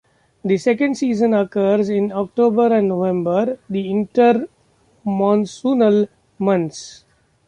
The second season occurs in October and November, the intermonsoonal months.